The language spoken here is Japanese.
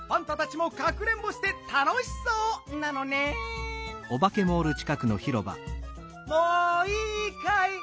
もういいかい？